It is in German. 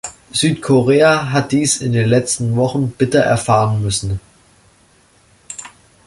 Südkorea hat dies in den letzten Wochen bitter erfahren müssen.